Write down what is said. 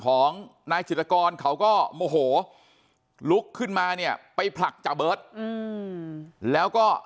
ของนายจิตกรเขาก็โมโหลุกขึ้นมาเนี่ยไปผลักจาเบิร์ตแล้วก็